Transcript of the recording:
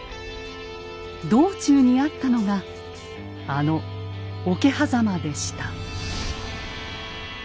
道中にあったのがあの桶狭間でした。